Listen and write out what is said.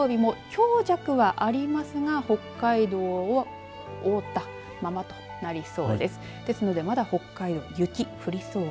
この土曜日、日曜日も強弱はありますが、北海道を覆ったままとなりそうです。